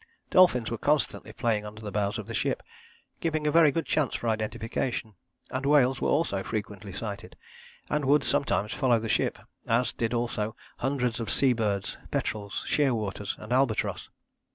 Dolphins were constantly playing under the bows of the ship, giving a very good chance for identification, and whales were also frequently sighted, and would sometimes follow the ship, as did also hundreds of sea birds, petrels, shearwaters and albatross.